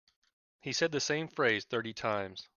He said the same phrase thirty times.